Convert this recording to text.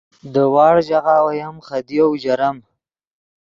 دے وڑغ ژاغہ اویم خدیو اوژرم